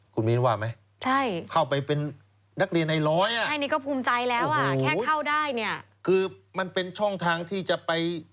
คุณมีนว่าไหมเข้าไปเป็นนักเรียนในร้อยอะโอ้โหคือมันเป็นช่องทางที่จะไป